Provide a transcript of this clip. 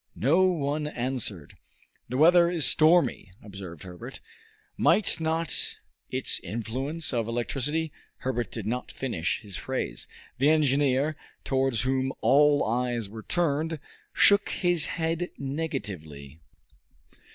No one answered. "The weather is stormy," observed Herbert. "Might not its influence of electricity " Herbert did not finish his phrase. The engineer, towards whom all eyes were turned, shook his head negatively.